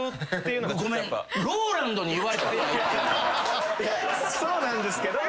いやそうなんですけど。